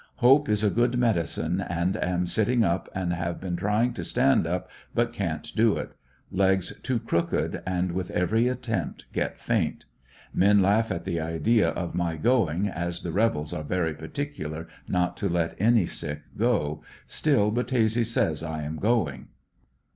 Hope is a good medicine and am sitting up and have been trying to stand up but can't do it; legs too crooked and with every attempt get faint. Men laugh at the idea of my going, as the rebels are very particular not to let any sick go, still Battese say I am going.